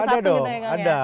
ya ada dong ada